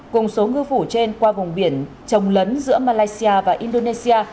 cùng số ngư phủ trên qua vùng biển trồng lấn giữa malaysia và indonesia